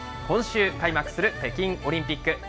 今週、開幕する北京オリンピック。